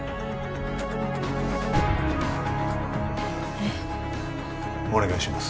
えっお願いします